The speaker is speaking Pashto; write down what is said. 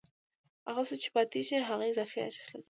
هغه څه چې پاتېږي هغه اضافي ارزښت دی